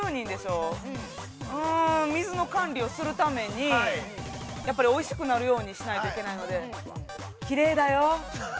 うーん、水の管理をするために、やっぱりおいしくなるようにしないといけないので、きれいだよ。